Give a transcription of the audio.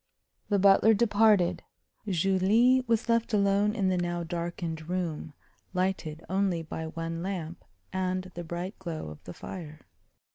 The butler departed. Julie was left alone in the now darkened room, lighted only by one lamp and the bright glow of the fire.